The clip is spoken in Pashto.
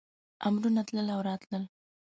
امرونه تلل او راتلل.